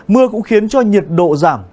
mưa cũng khiến cho nhiệt độ giảm